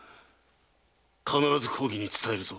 必ず公儀に伝えるぞ。